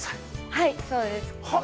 ◆はい、そうです。